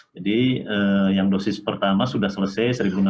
jadi yang dosis pertama sudah selesai satu enam ratus dua puluh